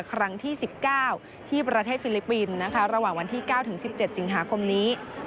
ครั้งที่สิบเก้าที่ประเทศฟิลิปปินส์นะคะระหว่างวันที่เก้าถึงสิบเจ็ดสิงหาคมนี้